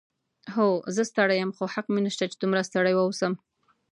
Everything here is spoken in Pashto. هو، زه ستړی یم، خو حق مې نشته چې دومره ستړی واوسم.